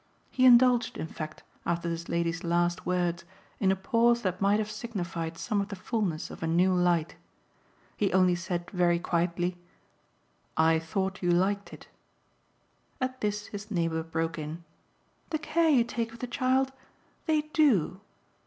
He indulged in fact, after this lady's last words, in a pause that might have signified some of the fulness of a new light. He only said very quietly: "I thought you liked it." At this his neighbour broke in. "The care you take of the child? They DO!"